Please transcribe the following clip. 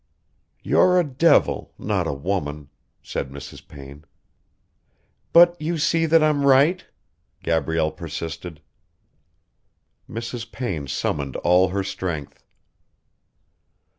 "You're a devil, not a woman," said Mrs. Payne. "But you see that I'm right?" Gabrielle persisted. Mrs. Payne summoned all her strength.